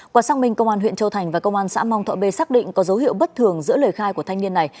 quả xác minh công an huyện châu thành và công an xã mong thọ b xác định có dấu hiệu bất thường giữa lời khai của thanh niên này